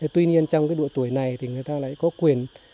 tuy nhiên trong độ tuổi này thì người ta lại có quyền